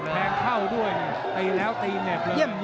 แทงเข้าด้วยตีแล้วตีเน็ตเยี่ยม